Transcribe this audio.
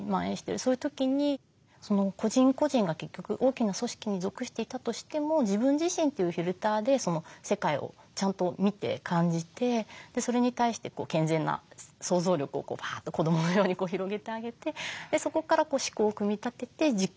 そういう時に個人個人が結局大きな組織に属していたとしても自分自身というフィルターで世界をちゃんと見て感じてそれに対して健全な想像力をパッと子どものように広げてあげてそこから思考を組み立てて実行していくっていう。